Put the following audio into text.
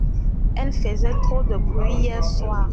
Elle faisait trop de bruit hier soir.